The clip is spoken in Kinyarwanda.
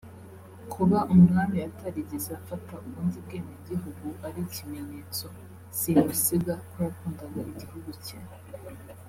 kuba umwami atarigeze afata ubundi bwenegihugu ari ikimenyetso simusiga ko yakundaga igihugu cye